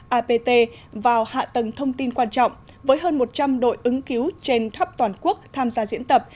apt vào hạ tầng thông tin quan trọng với hơn một trăm linh đội ứng cứu trên tháp toàn quốc tham gia diễn tập